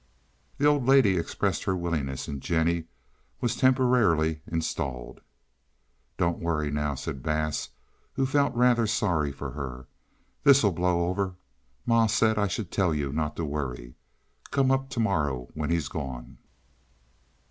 The old lady expressed her willingness, and Jennie was soon temporarily installed. "Don't worry now," said Bass, who felt rather sorry for her. "This'll blow over. Ma said I should tell you not to worry. Come up to morrow when he's gone."